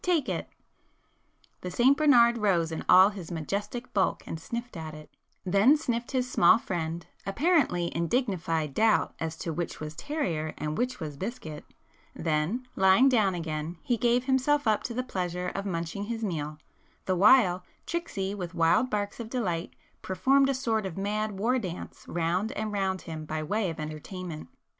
take it!" The St Bernard rose in all his majestic bulk and sniffed at it,—then sniffed his small friend, apparently in dignified doubt as to which was terrier and which was biscuit,—then lying down again, he gave himself up to the pleasure of munching his meal, the while "Tricksy" with wild barks of delight performed a sort of mad war dance round and round him by way of entertainment.